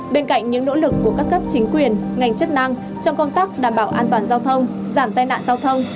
bên cạnh những nỗ lực của các cấp chính quyền ngành chức năng trong công tác đảm bảo an toàn giao thông giảm tai nạn giao thông